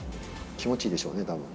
気持ちいいでしょうね、たぶん。